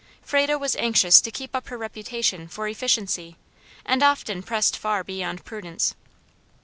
Frado was anxious to keep up her reputation for efficiency, and often pressed far beyond prudence.